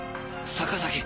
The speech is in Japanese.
坂崎。